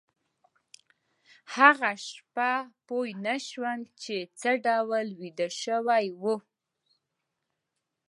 هغه شپه هېڅ پوه نشوم چې څه ډول ویده شوي وو